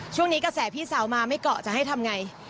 กระแสพี่สาวมาไม่เกาะจะให้ทำไง